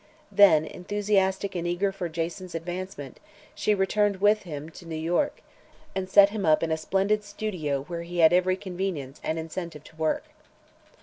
Then, enthusiastic and eager for Jason's advancement, she returned with him to New York and set him up in a splendid studio where he had every convenience and incentive to work.